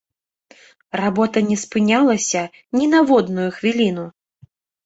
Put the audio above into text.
Работа не спынялася ні на водную хвіліну.